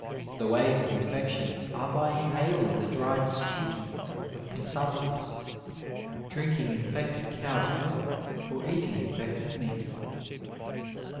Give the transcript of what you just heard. The ways of infection are by inhaling the dried sputum of consumptives, drinking infected cow's milk, or eating infected meat.